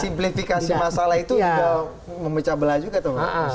simplifikasi masalah itu juga memecah belah juga tuh